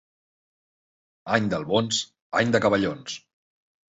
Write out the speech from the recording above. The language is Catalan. Any d'albons, any de cavallons.